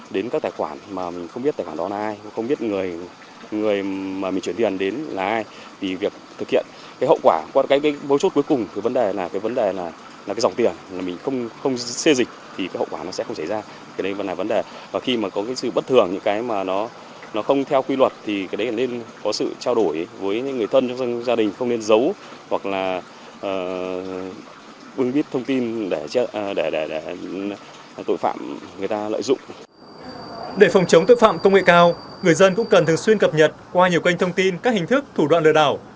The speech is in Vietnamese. để phòng chống tội phạm công nghệ cao người dân cũng cần thường xuyên cập nhật qua nhiều kênh thông tin các hình thức thủ đoạn lừa đảo